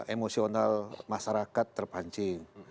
emosional masyarakat terpancing